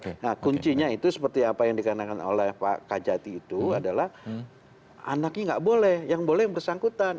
nah kuncinya itu seperti apa yang dikarenakan oleh pak kajati itu adalah anaknya nggak boleh yang boleh yang bersangkutan